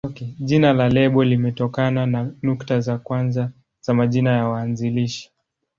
Jina la lebo limetokana na nukta za kwanza za majina ya waanzilishi.